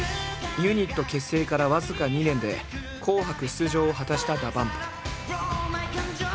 ユニット結成から僅か２年で「紅白」出場を果たしたＤＡＰＵＭＰ。